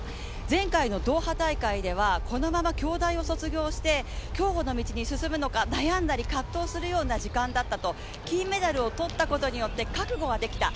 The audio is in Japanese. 前回のドーハ大会ではこのまま京大を卒業して競歩の道に進むのか悩んだり葛藤するような時間だった、金メダルを取ったことによって覚悟はできた。